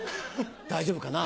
大丈夫かな？